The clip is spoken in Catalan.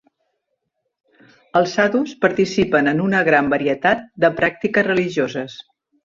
Els sadhus participen en una gran varietat de pràctiques religioses.